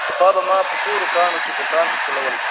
د ارغنداب سیند د ژوند د دوام سمبول دی.